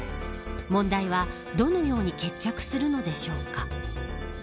問題はどのように決着するのでしょうか。